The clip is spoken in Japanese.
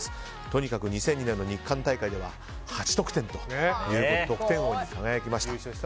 とにかく２００２年の日韓大会では８得点という得点王に輝きました。